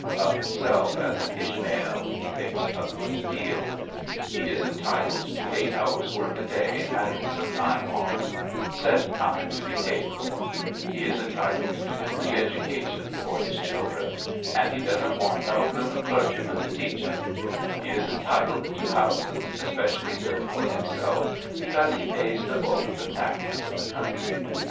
Of himself as an Is'hmael he thinks a good deal. He is entitled to eight hours* work a day and some time off — said time to be paid for ; he is entitled to free education for his children — and he doesn't want no bloomin* clergyman to teach 'em; he is entitled to houses especially built for himself because he pays the bulk of the taxes of the country.